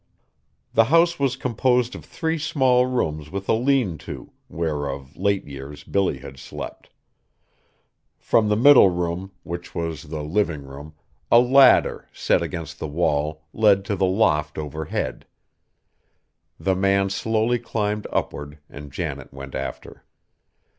The house was composed of three small rooms with a lean to, where of late years Billy had slept. From the middle room, which was the living room, a ladder, set against the wall, led to the loft overhead. The man slowly climbed upward, and Janet went after.